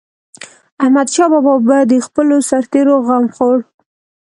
احمدشاه بابا به د خپلو سرتيرو غم خوړ.